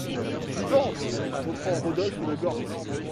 Vivante !… reprend Rodolphe de Gortz.